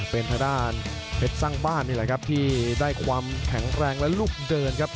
เป็นทางด้านเพชรสร้างบ้านนี่แหละครับที่ได้ความแข็งแรงและลูกเดินครับ